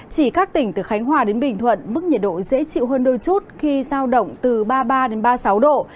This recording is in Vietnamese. chỉ các tỉnh từ khánh hòa đến bình thuận mức nhiệt độ dễ chịu hơn đôi chút khi giao động từ ba mươi ba ba mươi sáu độ